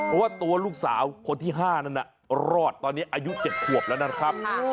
เพราะว่าตัวลูกสาวคนที่๕นั้นรอดตอนนี้อายุ๗ขวบแล้วนะครับ